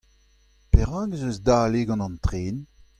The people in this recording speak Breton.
Perak ez eus dale gant an tren ?